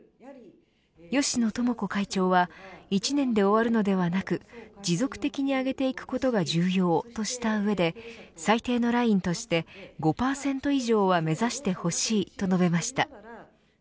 芳野友子会長は一年で終わるのではく持続的に上げていくことが重要とした上で最低のラインとして、５％以上は目指してほしいと述べました。